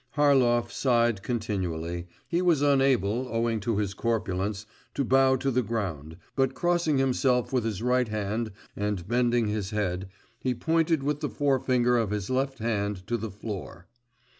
Harlov sighed continually; he was unable, owing to his corpulence, to bow to the ground, but crossing himself with his right hand and bending his head, he pointed with the forefinger of his left hand to the floor.